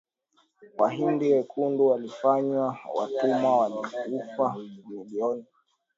Wahindi wekundu walifanywa watumwa walikufa mamilioni